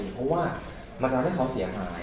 เพราะว่ามันทำให้เขาเสียหาย